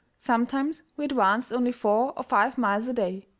Sometimes we advanced only four or five miles a day.